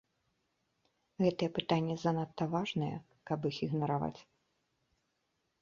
Гэтыя пытанні занадта важныя, каб іх ігнараваць.